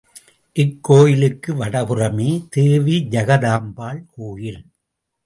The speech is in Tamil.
இக்கோயிலுக்கு வடபுறமே தேவி ஜகதாம்பாள் கோயில்.